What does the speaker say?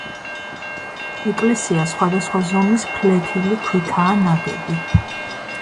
ეკლესია სხვადასხვა ზომის ფლეთილი ქვითაა ნაგები.